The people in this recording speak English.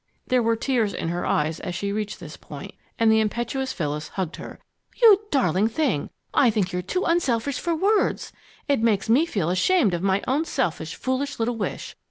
There were tears in her eyes as she reached this point, and the impetuous Phyllis hugged her. "You darling thing! I think you're too unselfish for words! It makes me feel ashamed of my own selfish, foolish little wish.